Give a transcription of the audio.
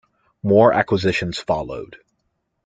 More acquisitions followed.